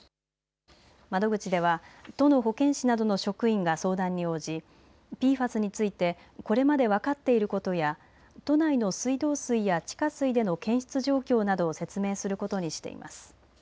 窓口では都の保健師などの職員が相談に応じ、ＰＦＡＳについてこれまで分かっていることや都内の水道水や地下水での検出状況などを説明することにしています。